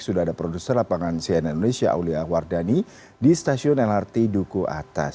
sudah ada produser lapangan cnn indonesia aulia wardani di stasiun lrt duku atas